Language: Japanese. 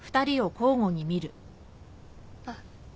あっ。